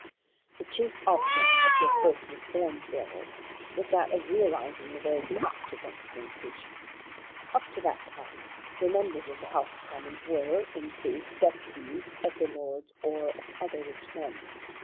"The chief object of your first Reform Bill was that of realising the very fact of representation. Up to that time your members of the House of Commons were in truth deputies of the Lords or of other rich men.